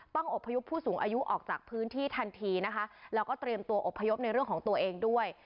อบพยพผู้สูงอายุออกจากพื้นที่ทันทีนะคะแล้วก็เตรียมตัวอบพยพในเรื่องของตัวเองด้วย